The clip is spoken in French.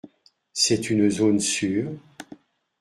C’est une zone sûre ?